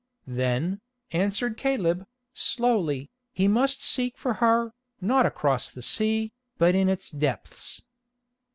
"Then," answered Caleb, slowly, "he must seek for her, not across the sea, but in its depths."